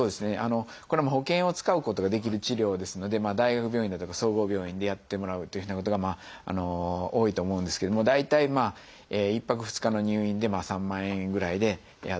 これも保険を使うことができる治療ですので大学病院だとか総合病院でやってもらうというふうなことが多いと思うんですけれども大体１泊２日の入院で３万円ぐらいでやったりしてますね。